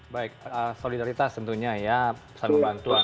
baik solidaritas tentunya ya selalu bantuan